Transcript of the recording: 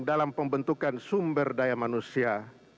dalam pembentukan sumber daya manusia